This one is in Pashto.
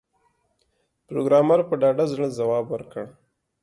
پروګرامر په ډاډه زړه ځواب ورکړ